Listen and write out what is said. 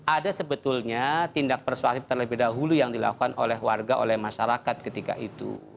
ada sebetulnya tindak persuasif terlebih dahulu yang dilakukan oleh warga oleh masyarakat ketika itu